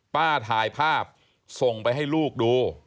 ป้าถ่ายภาพส่งไปให้ลูกดู